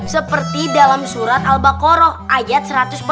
seperti dalam surat al baqarah ayat satu ratus empat puluh